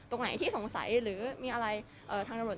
ตรงไหนที่สงสัยหรือมีอะไรทางตำรวจ